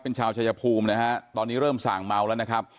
เป็นชาวชายภูมินะฮะตอนนี้เริ่มสั่งเมาแล้วนะครับ